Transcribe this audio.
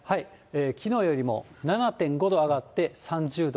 きのうよりも７．５度上がって、３０度。